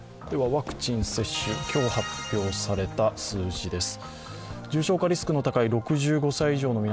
ワクチン接種、今日発表された数字です。